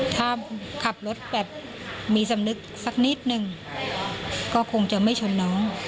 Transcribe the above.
ถ้าขับรถแบบมีสำนึกสักนิดนึงก็คงจะไม่ชนน้อง